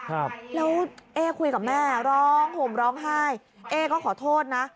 ครับแล้วเอ๊คุยกับแม่ร้องห่มร้องไห้เอ๊ก็ขอโทษนะ